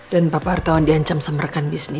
dan papa artawan diancam semerkan bisnis